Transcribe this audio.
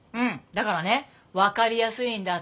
だからね分かりやすいんだって。